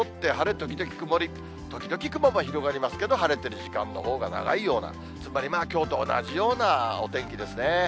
時々雲が広がりますけども、晴れてる時間のほうが長いような、つまりきょうと同じようなお天気ですね。